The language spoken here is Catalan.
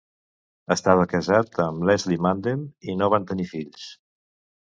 Estava casat amb Leslie Mandel i no van tenir fills.